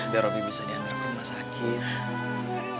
biar roby bisa diantar ke rumah sakit